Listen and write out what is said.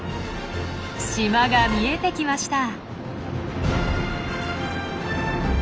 島が見えてきました。